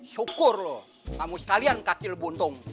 syukur loh kamu sekalian kakil buntung